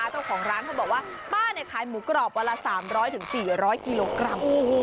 แล้วเจ้าของร้านเขาบอกว่าป้าเนี่ยขายหมูกรอบเวลา๓๐๐๔๐๐กิโลกรัม